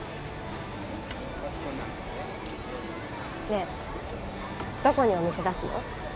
ねえどこにお店出すの？